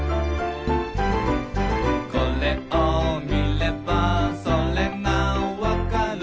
「これを見ればそれがわかる」